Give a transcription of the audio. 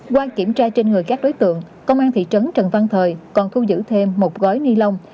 qua kiểm tra trên người các đối tượng công an thị trấn trần văn thời còn thu giữ thêm một gói ni lông